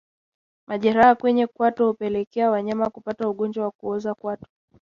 Majeraha kwenye kwato hupelekea wanyama kupata ugonjwa wa kuoza kwato